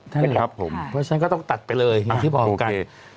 ใช่ครับผมเพราะฉะนั้นก็ต้องตัดไปเลยอย่างที่บอกกัน